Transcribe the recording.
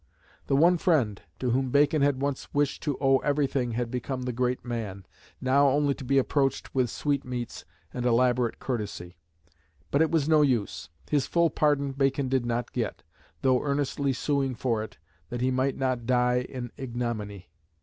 The one friend to whom Bacon had once wished to owe everything had become the great man, now only to be approached with "sweet meats" and elaborate courtesy. But it was no use. His full pardon Bacon did not get, though earnestly suing for it, that he might not "die in ignominy."